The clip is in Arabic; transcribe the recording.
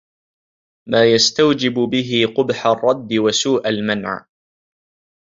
مَا يَسْتَوْجِبُ بِهِ قُبْحَ الرَّدِّ وَسُوءَ الْمَنْعِ